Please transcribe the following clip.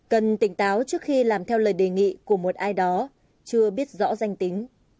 cần tỉnh táo trước khi làm theo lời đề nghị của một ai đó chưa biết rõ danh tính